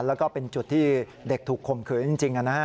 แล้วก็เป็นจุดที่เด็กถูกข่มขืนจริง